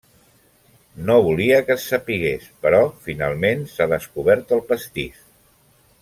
No volia que es sapigués, però finalment s'ha descobert el pastís.